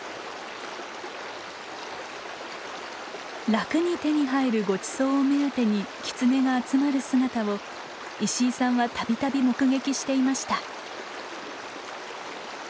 楽に手に入るごちそうを目当てにキツネが集まる姿を石井さんは度々目撃していました。